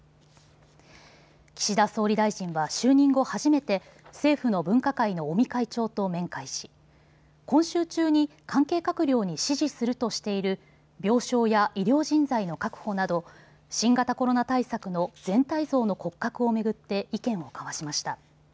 岸田総理大臣は就任後初めて政府の分科会の尾身会長と面会し今週中に関係閣僚に指示するとしている病床や医療人材の確保など、新型コロナ対策の全体像の骨格を巡って意見を交わしました。